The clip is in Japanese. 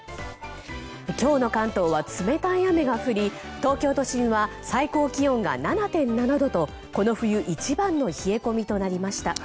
今日の関東は冷たい雨が降り東京都心は最高気温が７．７度とこの冬一番の冷え込みとなりました。